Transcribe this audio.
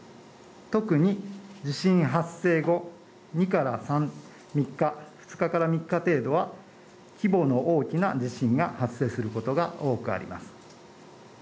特に、地震発生後、２日から３日程度は規模の大きな地震が発生することが多くあります。